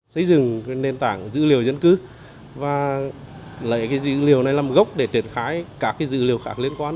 xây dựng nền tảng dữ liệu dân cư và lấy dữ liệu này làm gốc để triển khai các dữ liệu khác liên quan